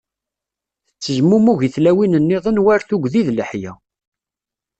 Tettezmumug i tlawin-niḍen war tuggdi d leḥya.